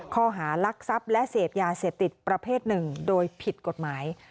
ข้อหารักทรัพย์และเสพยาเสพติดประเภทหนึ่งโดยผิดกฎหมาย